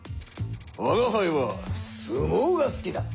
吾輩は相撲が好きだ。